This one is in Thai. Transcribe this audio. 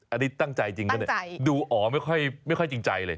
อันนี้ตั้งใจจริงปะเนี่ยดูอ๋อไม่ค่อยจริงใจเลย